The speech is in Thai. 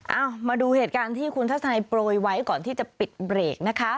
เอามาดูเหตุการณ์ที่คุณทัศนัยโปรยไว้ก่อนที่จะปิดเบรกนะคะ